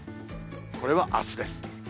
これはあすです。